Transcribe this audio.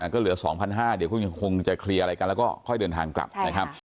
ก็เหลือ๒๕๐๐บาทเดี๋ยวคงจะเคลียร์อะไรกันแล้วก็ค่อยเดินทางกลับนะครับ